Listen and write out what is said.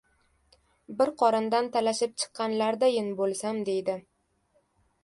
Bir qorindan talashib chiqqanlardayin bo‘lsam, deydi.